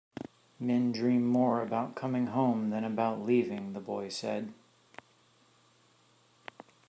"Men dream more about coming home than about leaving," the boy said.